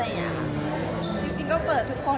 แต่จริงเปิดทุกคน